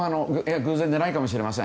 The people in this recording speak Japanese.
偶然じゃないかもしれません。